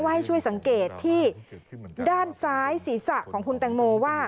ให้ช่วยสังเกตที่ด้านซ้ายศีรษะของคุณแตงโมว่า